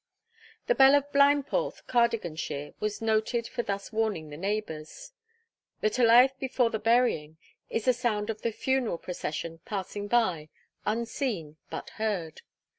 The bell of Blaenporth, Cardiganshire, was noted for thus warning the neighbours. The 'Tolaeth before the Burying' is the sound of the funeral procession passing by, unseen, but heard.